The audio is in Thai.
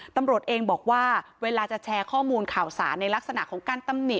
ตำรวจเองบอกว่าเวลาจะแชร์ข้อมูลข่าวสารในลักษณะของการตำหนิ